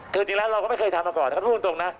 คือจริงแล้วเราก็ไม่เคยทำมาก่อนนะครับพูดตรงนะ